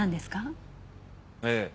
ええ。